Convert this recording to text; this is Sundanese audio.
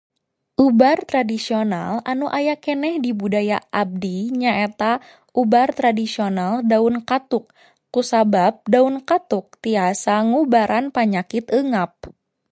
Ubar tradisional anu aya keneh di budaya abdi nyaeta ubar tradisional daun katuk kusabab daun katuk tiasa ngubaran panyakit eungap.